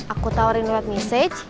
aku tawarin lewat message